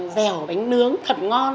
dẻo bánh nướng thật ngon